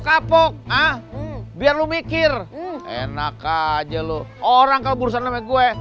kenapa harus naprak bang yul sih